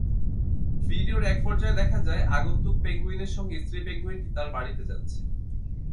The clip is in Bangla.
ভিডিওর একপর্যায়ে দেখা যায়, আগন্তুক পেঙ্গুইনের সঙ্গে স্ত্রী পেঙ্গুইনটি তার বাড়িতে যাচ্ছে।